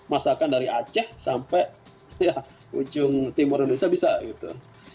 masakan dari aceh sampai ujung timur indonesia bisa gitu